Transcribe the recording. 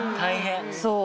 そう。